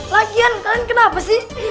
lagian kalian kenapa sih